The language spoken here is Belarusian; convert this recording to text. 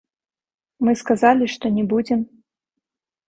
Мы сказалі, што не будзем.